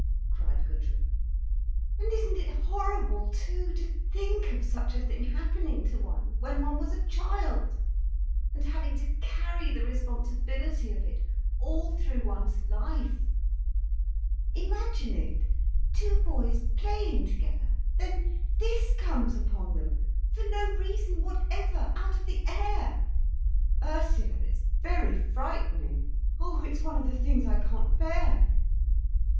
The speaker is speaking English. cried Gudrun. "And isn't it horrible too to think of such a thing happening to one, when one was a child, and having to carry the responsibility of it all through one's life. Imagine it, two boys playing together—then this comes upon them, for no reason whatever—out of the air. Ursula, it's very frightening! Oh, it's one of the things I can't bear.